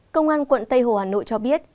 công an quận tây hồ hà nội cho biết